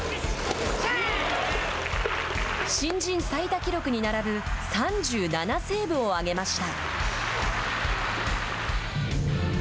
新人最多記録に並ぶ３７セーブを挙げました。